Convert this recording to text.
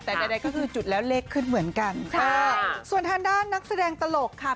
แต่ใดก็คือจุดแล้วเลขขึ้นเหมือนกันค่ะส่วนทางด้านนักแสดงตลกค่ะ